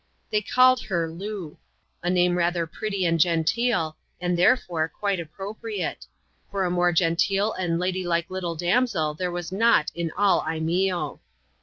They called her Loo : a name rather pretty and genteel, and, therefore, quite appro priate ; for a more genteel and lady like little damsel there was not in all Imeeo.